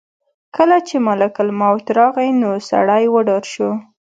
کله چې ملک الموت راغی نو سړی وډار شو.